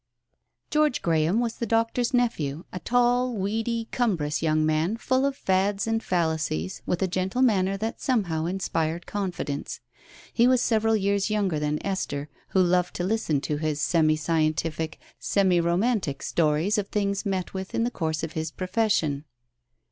••..... George Graham was the doctor's nephew, a tall, weedy, cumbrous young man, full of fads and fallacies, with a gentle manner that somehow inspired confidence. He was several years younger than Esther, who loved to listen to his semi scientific, semi romantic stories of things met with in the course of his profession.